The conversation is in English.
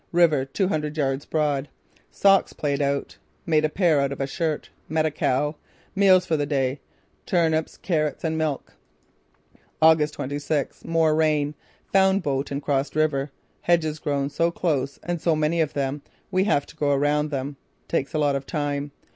River two hundred yards broad. Socks played out. Made pair out of a shirt. Met a cow. Meals for day: turnips, carrots and milk." "August 26th: More rain. Found boat and crossed river. Hedges grown so close and so many of them, we have to go around them. Takes a lot of time.